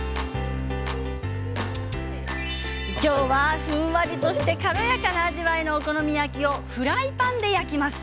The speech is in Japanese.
今日はふんわりとして軽やかな味わいのお好み焼きをフライパンで焼きます。